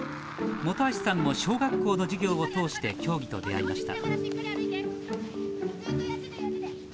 本橋さんも小学校の授業を通して競技と出会いました